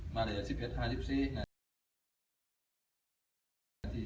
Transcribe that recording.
มาเลยอ่ะสิบเอ็ดห้าสิบสี่